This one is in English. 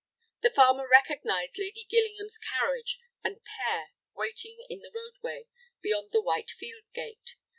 The farmer recognized Lady Gillingham's carriage and pair waiting in the roadway beyond the white field gate.